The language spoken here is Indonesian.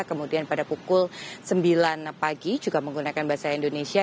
kemudian pada pukul sembilan pagi juga menggunakan bahasa indonesia